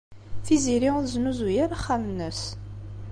Tiziri ur tesnuzuy ara axxam-nnes.